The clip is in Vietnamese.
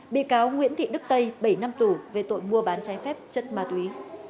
bị cáo nguyễn thị đức tây bảy năm tù về tội mua bán trái phép chất ma túy